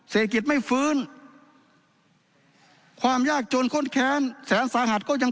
เศรษฐกิจไม่ฟื้นความยากจนข้นแค้นแสนสาหัสก็ยัง